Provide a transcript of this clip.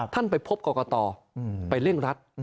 ท่านไปพบกรกตไปเร่งรัฐ